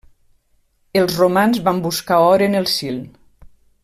Els romans van buscar or en el Sil.